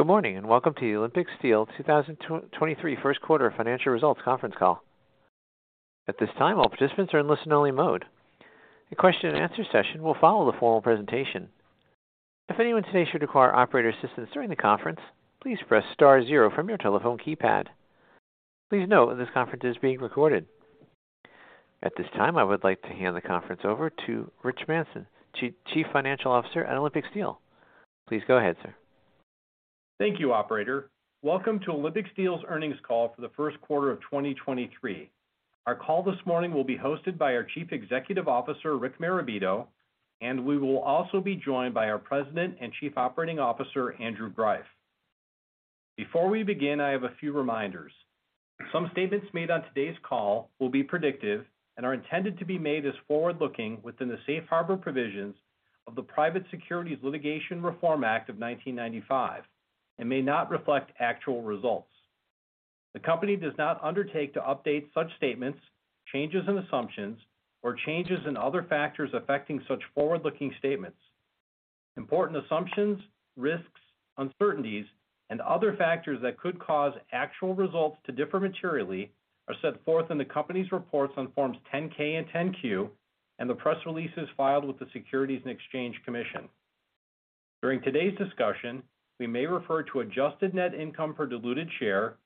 Good morning, and welcome to Olympic Steel 2023 first quarter financial results conference call. At this time, all participants are in listen-only mode. A question-and-answer session will follow the formal presentation. If anyone today should require operator assistance during the conference, please press star zero from your telephone keypad. Please note that this conference is being recorded. At this time, I would like to hand the conference over to Rich Manson, Chief Financial Officer at Olympic Steel. Please go ahead, sir. Thank you, operator. Welcome to Olympic Steel's earnings call for the first quarter of 2023. Our call this morning will be hosted by our Chief Executive Officer, Rick Marabito, and we will also be joined by our President and Chief Operating Officer, Andrew Greiff. Before we begin, I have a few reminders. Some statements made on today's call will be predictive and are intended to be made as forward-looking within the safe harbor provisions of the Private Securities Litigation Reform Act of 1995 and may not reflect actual results. The company does not undertake to update such statements, changes in assumptions, or changes in other factors affecting such forward-looking statements. Important assumptions, risks, uncertainties, and other factors that could cause actual results to differ materially are set forth in the company's reports on Forms 10-K and 10-Q, and the press releases filed with the Securities and Exchange Commission. During today's discussion, we may refer to adjusted net income per diluted share,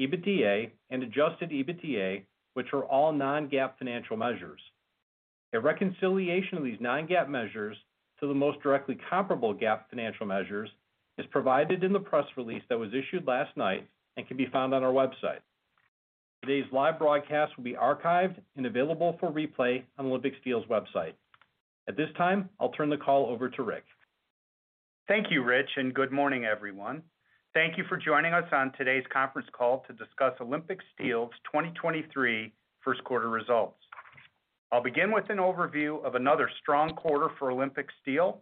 EBITDA, and adjusted EBITDA, which are all non-GAAP financial measures. A reconciliation of these non-GAAP measures to the most directly comparable GAAP financial measures is provided in the press release that was issued last night and can be found on our website. Today's live broadcast will be archived and available for replay on Olympic Steel's website. At this time, I'll turn the call over to Rick. Good morning, everyone. Thank you for joining us on today's conference call to discuss Olympic Steel's 2023 first quarter results. I'll begin with an overview of another strong quarter for Olympic Steel,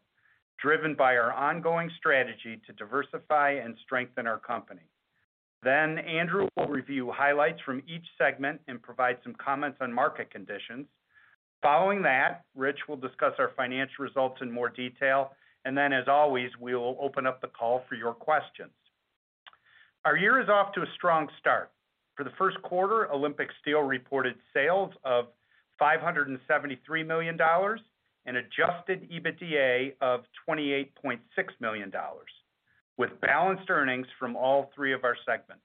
driven by our ongoing strategy to diversify and strengthen our company. Andrew will review highlights from each segment and provide some comments on market conditions. Following that, Rich will discuss our financial results in more detail, then, as always, we will open up the call for your questions. Our year is off to a strong start. For the first quarter, Olympic Steel reported sales of $573 million and Adjusted EBITDA of $28.6 million, with balanced earnings from all three of our segments.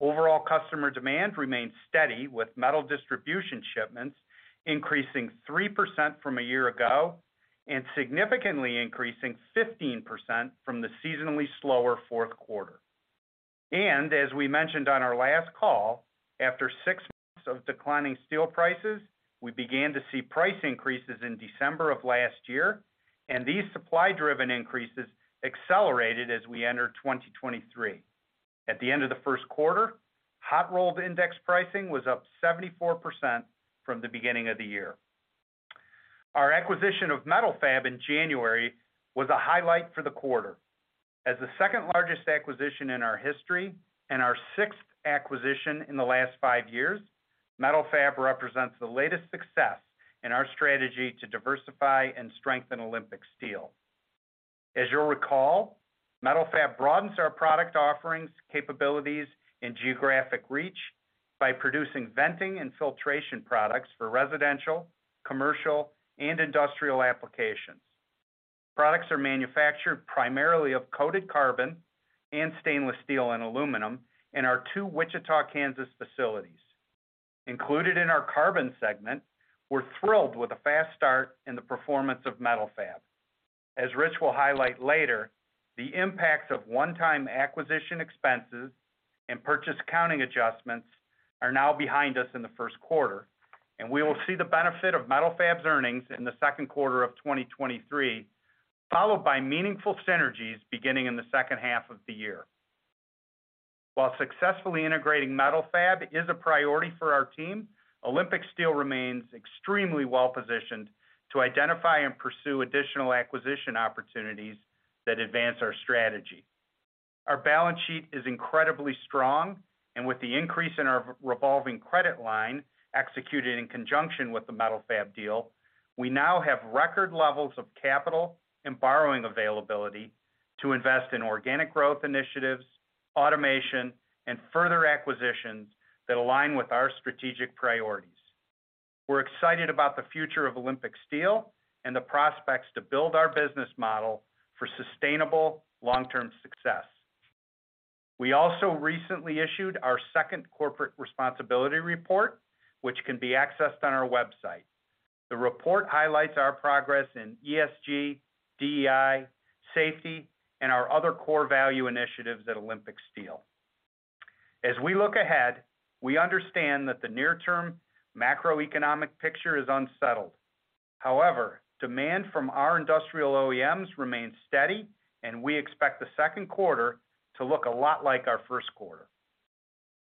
Overall customer demand remained steady, with metal distribution shipments increasing 3% from a year ago and significantly increasing 15% from the seasonally slower fourth quarter. As we mentioned on our last call, after six months of declining steel prices, we began to see price increases in December of last year, and these supply-driven increases accelerated as we entered 2023. At the end of the first quarter, hot rolled index pricing was up 74% from the beginning of the year. Our acquisition of Metal-Fab in January was a highlight for the quarter. As the second largest acquisition in our history and our sixth acquisition in the last five years, Metal-Fab represents the latest success in our strategy to diversify and strengthen Olympic Steel. As you'll recall, Metal-Fab broadens our product offerings, capabilities, and geographic reach by producing venting and filtration products for residential, commercial, and industrial applications. Products are manufactured primarily of coated carbon and stainless steel and aluminum in our two Wichita, Kansas facilities. Included in our carbon segment, we're thrilled with the fast start and the performance of Metal-Fab. As Rich will highlight later, the impacts of one-time acquisition expenses and purchase accounting adjustments are now behind us in the first quarter, and we will see the benefit of Metal-Fab's earnings in the second quarter of 2023, followed by meaningful synergies beginning in the second half of the year. While successfully integrating Metal-Fab is a priority for our team, Olympic Steel remains extremely well-positioned to identify and pursue additional acquisition opportunities that advance our strategy. Our balance sheet is incredibly strong, and with the increase in our v-revolving credit line executed in conjunction with the Metal-Fab deal, we now have record levels of capital and borrowing availability to invest in organic growth initiatives, automation, and further acquisitions that align with our strategic priorities. We're excited about the future of Olympic Steel and the prospects to build our business model for sustainable long-term success. We also recently issued our second corporate responsibility report, which can be accessed on our website. The report highlights our progress in ESG, DEI, safety, and our other core value initiatives at Olympic Steel. As we look ahead, we understand that the near-term macroeconomic picture is unsettled. However, demand from our industrial OEMs remains steady, and we expect the second quarter to look a lot like our first quarter.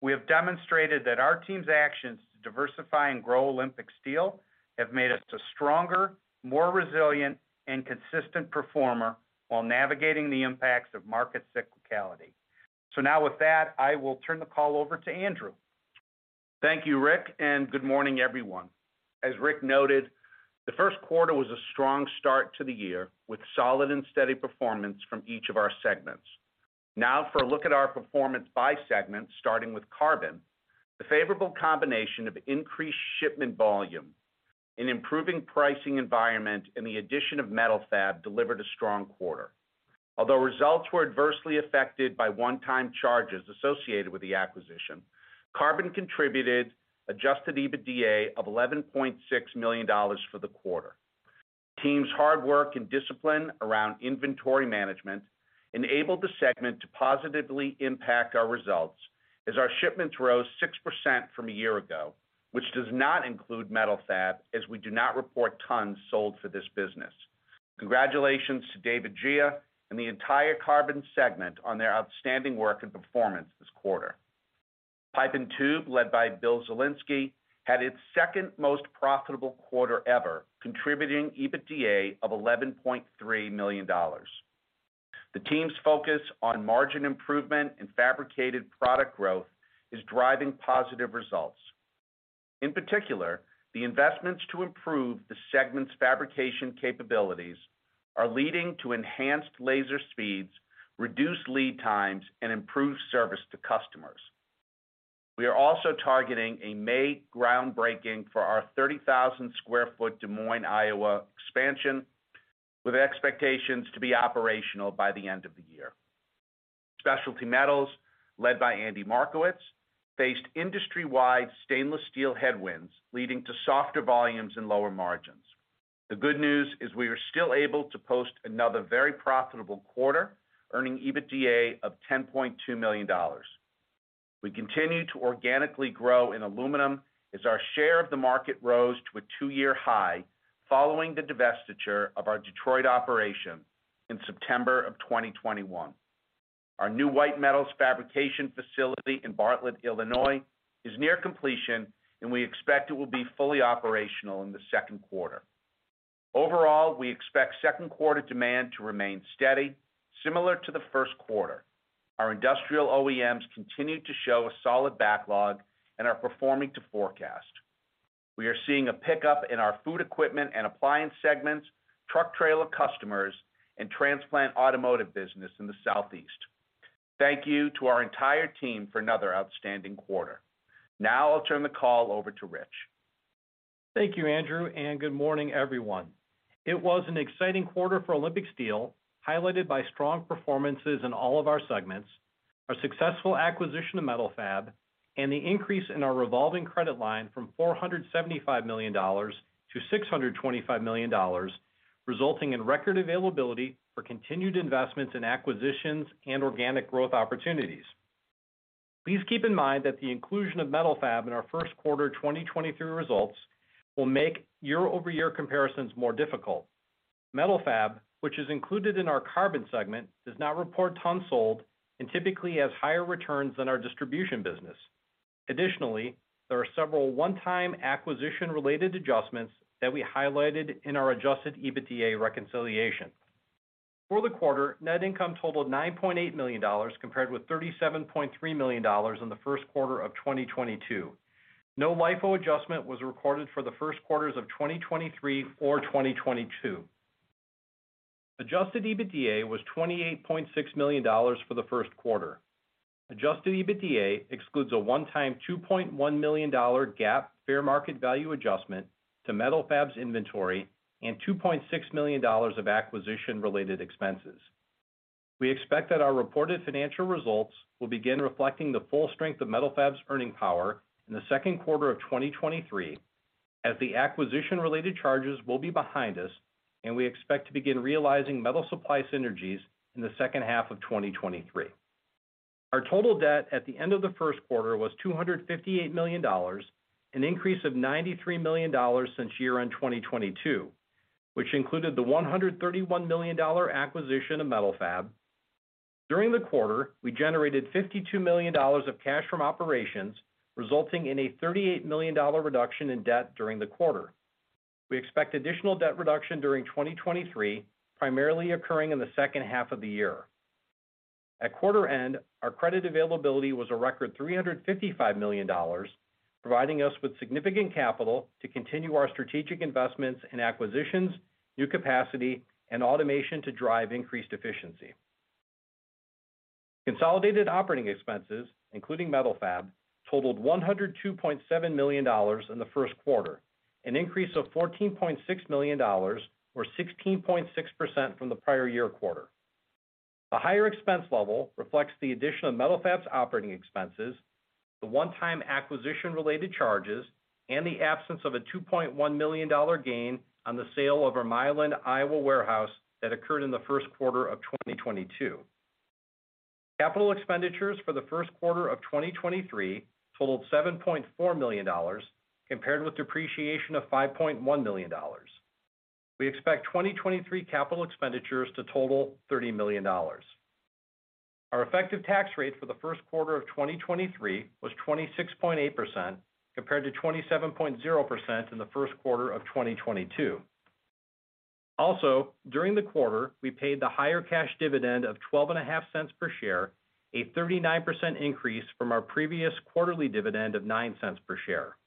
We have demonstrated that our team's actions to diversify and grow Olympic Steel have made us a stronger, more resilient, and consistent performer while navigating the impacts of market cyclicality. Now with that, I will turn the call over to Andrew Greiff. Thank you, Rick. Good morning, everyone. As Rick noted, the first quarter was a strong start to the year, with solid and steady performance from each of our segments. Now for a look at our performance by segment, starting with Carbon. The favorable combination of increased shipment volume, an improving pricing environment, and the addition of Metal-Fab delivered a strong quarter. Although results were adversely affected by one-time charges associated with the acquisition, Carbon contributed Adjusted EBITDA of $11.6 million for the quarter. The team's hard work and discipline around inventory management enabled the segment to positively impact our results as our shipments rose 6% from a year ago, which does not include Metal-Fab as we do not report tons sold for this business. Congratulations to David Gea and the entire Carbon segment on their outstanding work and performance this quarter. Pipe and Tube, led by Bill Zielinski, had its second most profitable quarter ever, contributing EBITDA of $11.3 million. The team's focus on margin improvement and fabricated product growth is driving positive results. In particular, the investments to improve the segment's fabrication capabilities are leading to enhanced laser speeds, reduced lead times, and improved service to customers. We are also targeting a May groundbreaking for our 30,000 sq ft Des Moines, Iowa expansion, with expectations to be operational by the end of the year. Specialty Metals, led by Andy Markowitz, faced industry-wide stainless steel headwinds, leading to softer volumes and lower margins. The good news is we were still able to post another very profitable quarter, earning EBITDA of $10.2 million. We continue to organically grow in aluminum as our share of the market rose to a two-year high following the divestiture of our Detroit operation in September of 2021. Our new white metals fabrication facility in Bartlett, Illinois, is near completion, and we expect it will be fully operational in the second quarter. Overall, we expect second quarter demand to remain steady, similar to the first quarter. Our industrial OEMs continue to show a solid backlog and are performing to forecast. We are seeing a pickup in our food equipment and appliance segments, truck trailer customers, and transplant automotive business in the Southeast. Thank you to our entire team for another outstanding quarter. Now I'll turn the call over to Rich. Thank you, Andrew, and good morning, everyone. It was an exciting quarter for Olympic Steel, highlighted by strong performances in all of our segments, our successful acquisition of Metal-Fab, and the increase in our revolving credit line from $475 million-$625 million, resulting in record availability for continued investments in acquisitions and organic growth opportunities. Please keep in mind that the inclusion of Metal-Fab in our first quarter 2023 results will make year-over-year comparisons more difficult. Metal-Fab, which is included in our Carbon segment, does not report tons sold and typically has higher returns than our distribution business. Additionally, there are several one-time acquisition-related adjustments that we highlighted in our Adjusted EBITDA reconciliation. For the quarter, net income totaled $9.8 million, compared with $37.3 million in the first quarter of 2022. No LIFO adjustment was recorded for the first quarters of 2023 or 2022. Adjusted EBITDA was $28.6 million for the first quarter. Adjusted EBITDA excludes a one-time $2.1 million GAAP fair market value adjustment to Metal-Fab's inventory and $2.6 million of acquisition-related expenses. We expect that our reported financial results will begin reflecting the full strength of Metal-Fab's earning power in the second quarter of 2023, as the acquisition-related charges will be behind us, and we expect to begin realizing metal supply synergies in the second half of 2023. Our total debt at the end of the first quarter was $258 million, an increase of $93 million since year-end 2022, which included the $131 million acquisition of Metal-Fab. During the quarter, we generated $52 million of cash from operations, resulting in a $38 million reduction in debt during the quarter. We expect additional debt reduction during 2023, primarily occurring in the second half of the year. At quarter end, our credit availability was a record $355 million, providing us with significant capital to continue our strategic investments in acquisitions, new capacity, and automation to drive increased efficiency. Consolidated operating expenses, including Metal-Fab, totaled $102.7 million in the first quarter, an increase of $14.6 million or 16.6% from the prior year quarter. The higher expense level reflects the addition of Metal-Fab's operating expenses, the one-time acquisition related charges, and the absence of a $2.1 million gain on the sale of our Milan, Iowa warehouse that occurred in the first quarter of 2022. Capital expenditures for the first quarter of 2023 totaled $7.4 million compared with depreciation of $5.1 million. We expect 2023 capital expenditures to total $30 million. Our effective tax rate for the first quarter of 2023 was 26.8%, compared to 27.0% in the first quarter of 2022. During the quarter, we paid the higher cash dividend of $0.125 per share, a 39% increase from our previous quarterly dividend of $0.09 per share.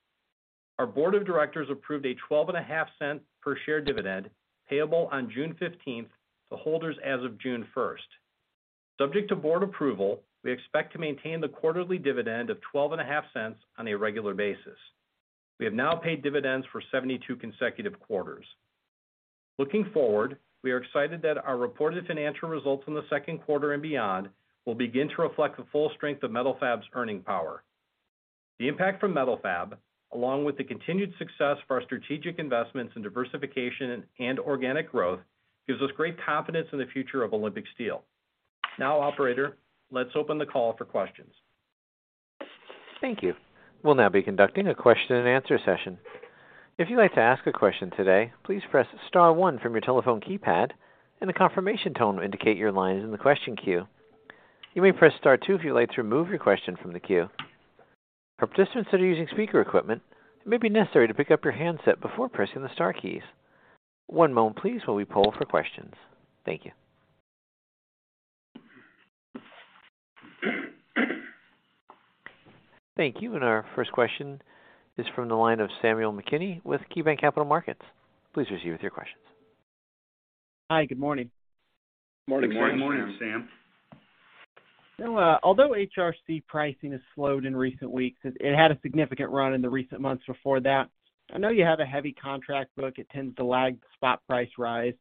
Our board of directors approved a $0.125 per share dividend payable on June 15th to holders as of June 1st. Subject to board approval, we expect to maintain the quarterly dividend of $0.125 on a regular basis. We have now paid dividends for 72 consecutive quarters. Looking forward, we are excited that our reported financial results in the second quarter and beyond will begin to reflect the full strength of Metal-Fab's earning power. The impact from Metal-Fab, along with the continued success of our strategic investments in diversification and organic growth, gives us great confidence in the future of Olympic Steel. Operator, let's open the call for questions. Thank you. We'll now be conducting a question-and-answer session. If you'd like to ask a question today, please press star one from your telephone keypad, and a confirmation tone will indicate your line is in the question queue. You may press star two if you'd like to remove your question from the queue. For participants that are using speaker equipment, it may be necessary to pick up your handset before pressing the star keys. One moment please while we poll for questions. Thank you. Thank you. Our first question is from the line of Samuel McKinney with KeyBanc Capital Markets. Please proceed with your questions. Hi. Good morning. Good morning. Good morning, Sam. Although HRC pricing has slowed in recent weeks, it had a significant run in the recent months before that. I know you have a heavy contract book. It tends to lag the spot price rise.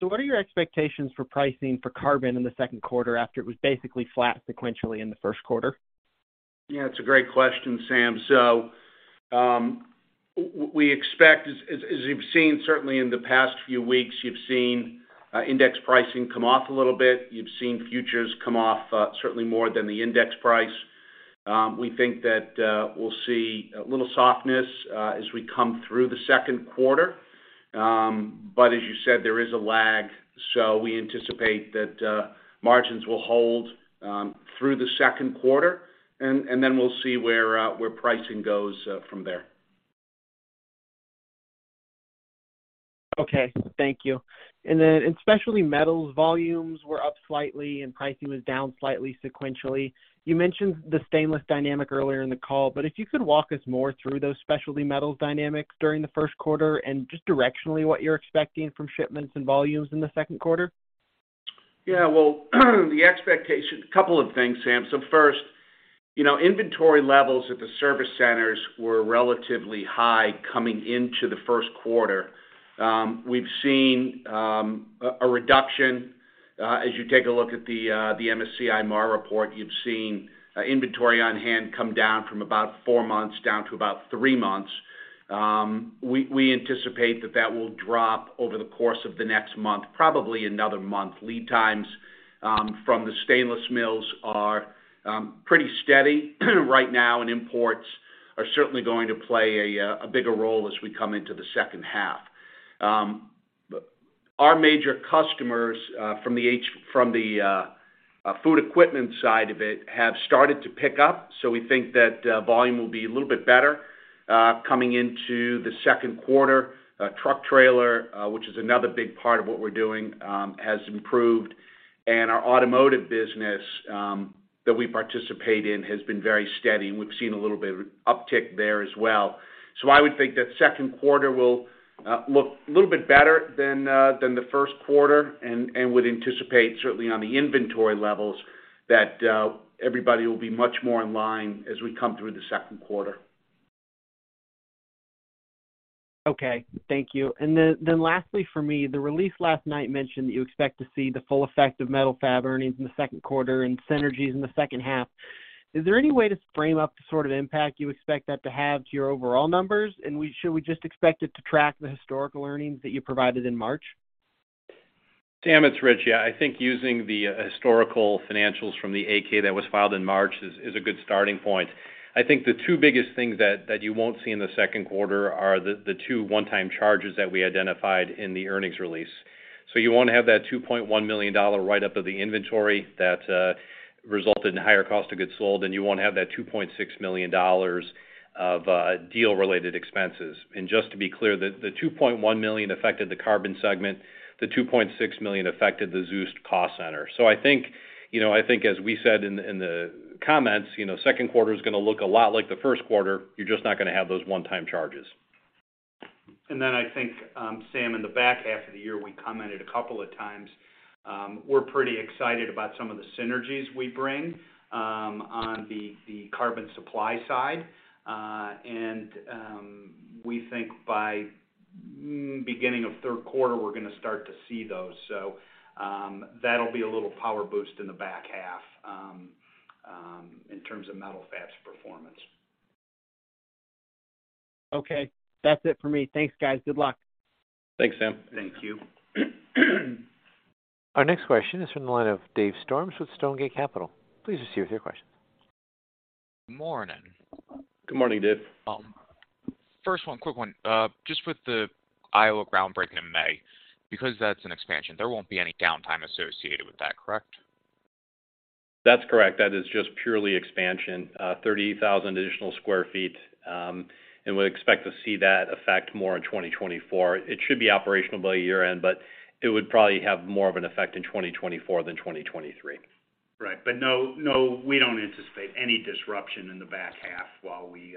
What are your expectations for pricing for carbon in the second quarter after it was basically flat sequentially in the first quarter? Yeah, it's a great question, Sam. We expect as you've seen certainly in the past few weeks, you've seen index pricing come off a little bit. You've seen futures come off certainly more than the index price. We think that we'll see a little softness as we come through the second quarter. As you said, there is a lag. We anticipate that margins will hold through the second quarter, and then we'll see where pricing goes from there. Okay. Thank you. Specialty metals volumes were up slightly and pricing was down slightly sequentially. You mentioned the stainless dynamic earlier in the call, but if you could walk us more through those specialty metals dynamics during the first quarter and just directionally what you're expecting from shipments and volumes in the second quarter? Yeah. Well, the expectation... A couple of things, Sam. First, you know, inventory levels at the service centers were relatively high coming into the first quarter. We've seen a reduction. As you take a look at the MSCI MAR report, you've seen inventory on hand come down from about four months down to about three months. We anticipate that that will drop over the course of the next month, probably another month. Lead times from the stainless mills are pretty steady right now, and imports are certainly going to play a bigger role as we come into the second half. Our major customers from the food equipment side of it have started to pick up. We think that volume will be a little bit better coming into the second quarter. Truck trailer, which is another big part of what we're doing, has improved. Our automotive business that we participate in has been very steady, and we've seen a little bit of uptick there as well. I would think that second quarter will look a little bit better than the first quarter and would anticipate certainly on the inventory levels that everybody will be much more in line as we come through the second quarter. Okay. Thank you. Then lastly for me, the release last night mentioned that you expect to see the full effect of Metal-Fab earnings in the second quarter and synergies in the second half. Is there any way to frame up the sort of impact you expect that to have to your overall numbers? Should we just expect it to track the historical earnings that you provided in March? Sam, it's Rich. Yeah. I think using the historical financials from the 10-K that was filed in March is a good starting point. I think the two biggest things that you won't see in the second quarter are the two one-time charges that we identified in the earnings release. You won't have that $2.1 million write-up of the inventory that resulted in higher cost of goods sold, and you won't have that $2.6 million of deal-related expenses. Just to be clear, the $2.1 million affected the carbon segment, the $2.6 million affected the ZEUS cost center. I think, you know, as we said in the comments, you know, second quarter is gonna look a lot like the first quarter. You're just not gonna have those one-time charges. I think, Sam, in the back half of the year, we commented 2x, we're pretty excited about some of the synergies we bring on the carbon supply side. We think by, beginning of third quarter, we're gonna start to see those. That'll be a little power boost in the back half, in terms of Metal-Fab's performance. Okay. That's it for me. Thanks, guys. Good luck. Thanks, Sam. Thank you. Our next question is from the line of Dave Storms with Stonegate Capital. Please proceed with your questions. Morning. Good morning, Dave. First one, quick one. Just with the Iowa groundbreaking in May, because that's an expansion, there won't be any downtime associated with that, correct? That's correct. That is just purely expansion. 30,000 additional sq ft, and would expect to see that effect more in 2024. It should be operational by year-end, but it would probably have more of an effect in 2024 than 2023. Right. No, we don't anticipate any disruption in the back half while we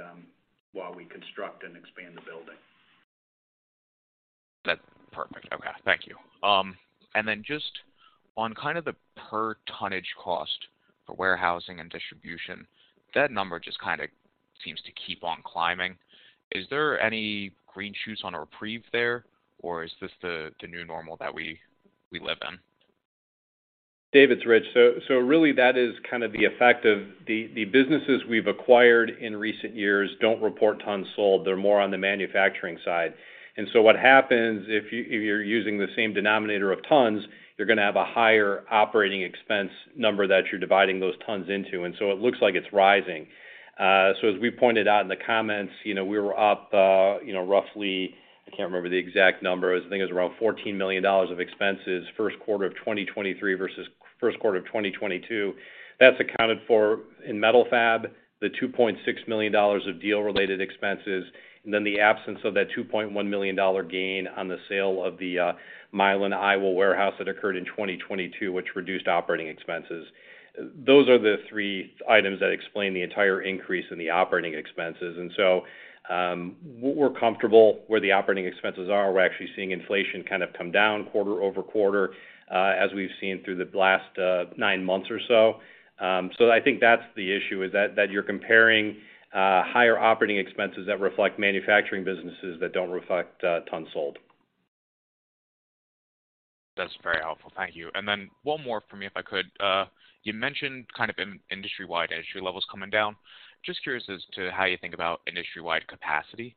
construct and expand the building. That's perfect. Okay, thank you. just on kind of the per tonnage cost for warehousing and distribution, that number just kind of seems to keep on climbing. Is there any green shoots on a reprieve there, or is this the new normal that we live in? David, it's Rich. Really that is the effect of the businesses we've acquired in recent years don't report tons sold. They're more on the manufacturing side. What happens if you're using the same denominator of tons, you're gonna have a higher operating expense number that you're dividing those tons into, it looks like it's rising. As we pointed out in the comments, you know, we were up, you know, roughly, I can't remember the exact number. I think it was around $14 million of expenses first quarter of 2023 versus first quarter of 2022. That's accounted for in Metal-Fab, the $2.6 million of deal related expenses, and then the absence of that $2.1 million gain on the sale of the Milan, Iowa warehouse that occurred in 2022, which reduced operating expenses. Those are the three items that explain the entire increase in the operating expenses. We're comfortable where the operating expenses are. We're actually seeing inflation kind of come down quarter-over-quarter, as we've seen through the last nine months or so. I think that's the issue, is that you're comparing higher operating expenses that reflect manufacturing businesses that don't reflect tons sold. That's very helpful. Thank you. Then one more from me, if I could. You mentioned kind of in-industry-wide entry levels coming down. Just curious as to how you think about industry-wide capacity,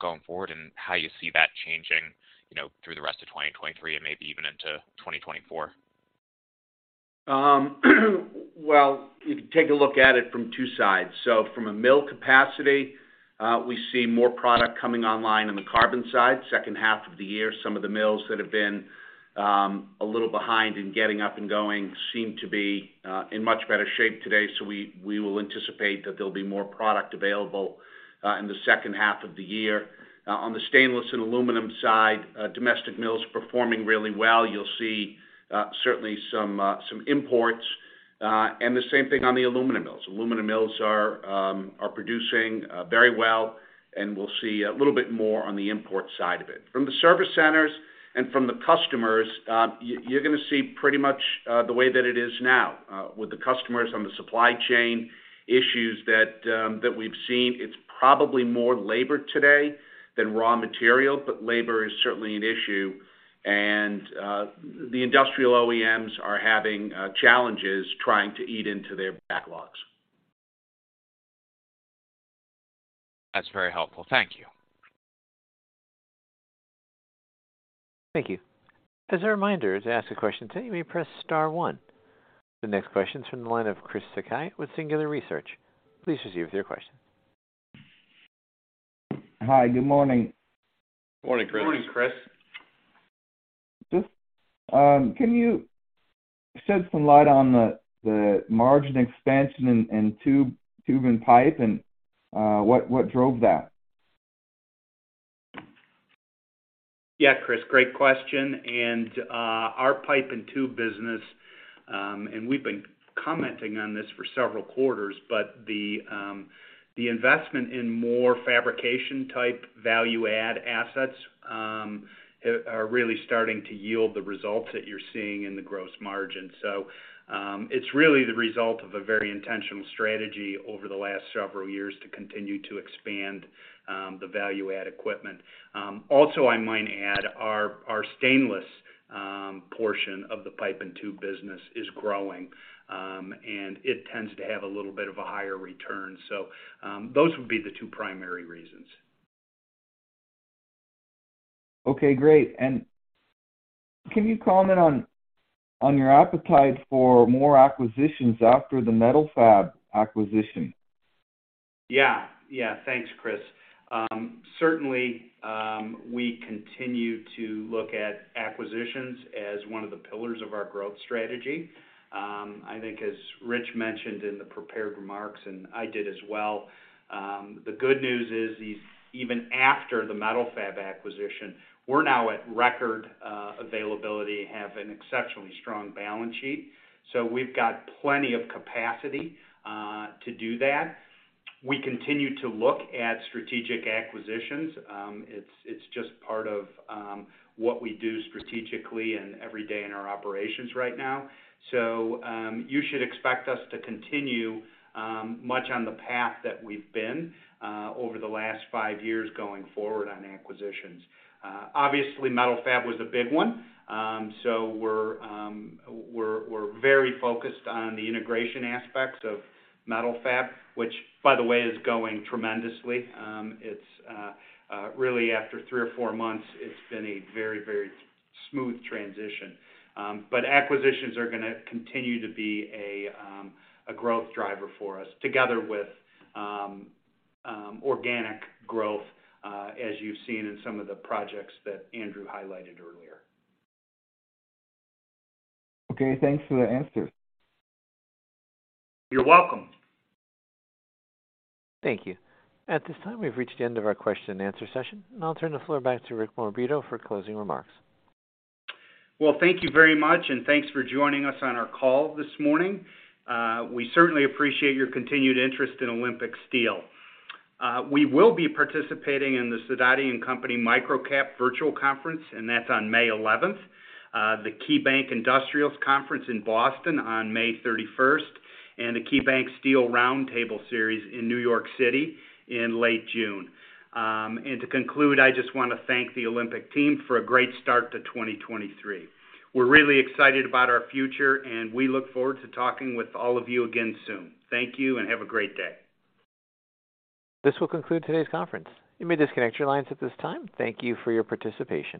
going forward and how you see that changing, you know, through the rest of 2023 and maybe even into 2024. Well, you can take a look at it from two sides. From a mill capacity, we see more product coming online on the carbon side. second half of the year, some of the mills that have been a little behind in getting up and going seem to be in much better shape today. We will anticipate that there'll be more product available in the second half of the year. On the stainless and aluminum side, domestic mills performing really well. You'll see certainly some imports. The same thing on the aluminum mills. Aluminum mills are producing very well. We'll see a little bit more on the import side of it. From the service centers and from the customers, you're gonna see pretty much the way that it is now. With the customers on the supply chain issues that we've seen, it's probably more labor today than raw material, but labor is certainly an issue. The industrial OEMs are having challenges trying to eat into their backlogs. That's very helpful. Thank you. Thank you. As a reminder, to ask a question, you may press star one. The next question is from the line of Chris Sakai with Singular Research. Please proceed with your question. Hi. Good morning. Morning, Chris. Morning, Chris. Can you shed some light on the margin expansion in tube and pipe and what drove that? Yeah, Chris, great question. Our pipe and tube business, and we've been commenting on this for several quarters, but the investment in more fabrication type value add assets are really starting to yield the results that you're seeing in the gross margin. It's really the result of a very intentional strategy over the last several years to continue to expand the value add equipment. Also I might add our stainless portion of the pipe and tube business is growing, and it tends to have a little bit of a higher return. Those would be the two primary reasons. Okay, great. Can you comment on your appetite for more acquisitions after the Metal-Fab acquisition? Yeah. Yeah. Thanks, Chris. certainly, we continue to look at acquisitions as one of the pillars of our growth strategy. I think as Rich mentioned in the prepared remarks, and I did as well, the good news is even after the Metal-Fab acquisition, we're now at record availability, have an exceptionally strong balance sheet. We've got plenty of capacity to do that. We continue to look at strategic acquisitions. It's, it's just part of what we do strategically and every day in our operations right now. You should expect us to continue much on the path that we've been over the last five years going forward on acquisitions. Obviously, Metal-Fab was a big one. We're very focused on the integration aspects of Metal-Fab, which by the way, is going tremendously. It's really after three or four months, it's been a very, very smooth transition. Acquisitions are gonna continue to be a growth driver for us together with organic growth, as you've seen in some of the projects that Andrew highlighted earlier. Okay. Thanks for the answer. You're welcome. Thank you. At this time, we've reached the end of our question and answer session. I'll turn the floor back to Rick Marabito for closing remarks. Well, thank you very much, and thanks for joining us on our call this morning. We certainly appreciate your continued interest in Olympic Steel. We will be participating in the Sidoti & Company MicroCap Virtual Conference, and that's on May 11th. The KeyBanc Industrials Conference in Boston on May 31st, and the KeyBanc Steel Roundtable series in New York City in late June. To conclude, I just wanna thank the Olympic team for a great start to 2023. We're really excited about our future, and we look forward to talking with all of you again soon. Thank you and have a great day. This will conclude today's conference. You may disconnect your lines at this time. Thank you for your participation.